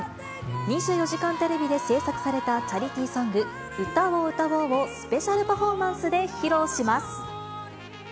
２４時間テレビで制作されたチャリティーソング、歌を歌おうをスペシャルパフォーマンスで披露します。